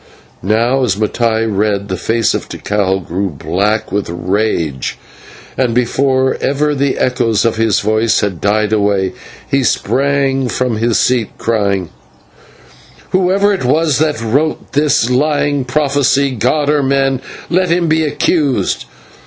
Now, as Mattai read, the face of Tikal grew black with rage, and before ever the echoes of his voice had died away, he sprang from his seat crying: "Whoever it was that wrote this lying prophecy, god or man, let him be accursed.